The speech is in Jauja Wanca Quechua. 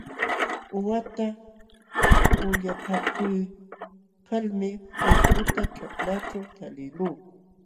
Uqata ulyapakuykalmi ulputa ćhaklaćhu taliqluu.